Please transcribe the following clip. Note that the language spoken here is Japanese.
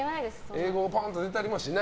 英語がポーンと出たりもしない？